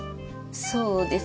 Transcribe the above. そうですね。